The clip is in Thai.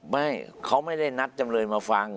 ไม่เขาไม่ได้นัดจำเลยมาฟัง